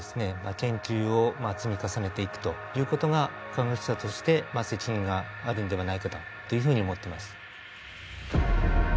研究を積み重ねていくという事が科学者として責任があるんではないかというふうに思ってます。